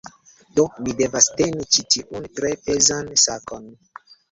Do, mi devas teni ĉi tiun, tre pezan sakon